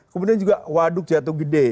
kemudian juga waduk jatuh gede